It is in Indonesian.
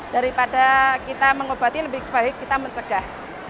daripada kita mengobati lebih baik kita mencegah